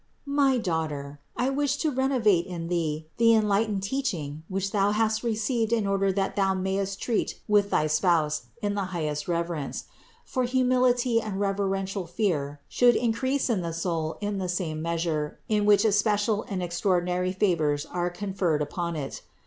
525. My daughter, I wish to renovate in thee the enlightened teaching which thou hast received in order that thou mayst treat with thy Spouse in the highest reverence; for humility and reverential fear should in crease in the soul in the same measure in which especial and extraordinary favors are conferred upon it.